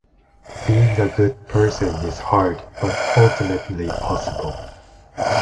Being a good person is hard but ultimately possible.